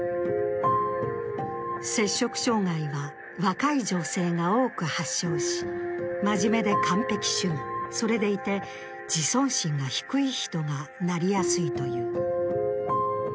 摂食障害は若い女性が多く発症し、真面目で完璧主義、それでいて自尊心が低い人がなりやすいという。